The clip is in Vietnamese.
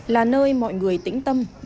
là nơi mọi người tĩnh tâm để chơi